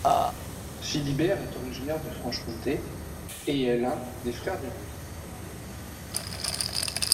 Philibert est originaire de Franche-Comté et est l'un des frères de Louis.